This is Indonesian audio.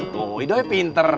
tuh doi pinter